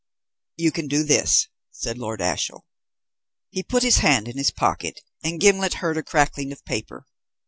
"You can do this," said Lord Ashiel. He put his hand in his pocket and Gimblet heard a crackling of paper.